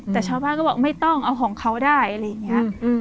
แต่ชาวบ้านก็บอกไม่ต้องเอาของเขาได้อะไรอย่างนี้